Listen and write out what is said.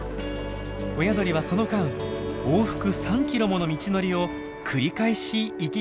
親鳥はその間往復３ｋｍもの道のりを繰り返し行き来するんです。